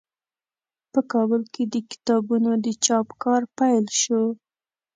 په کابل کې د کتابونو د چاپ کار پیل شو.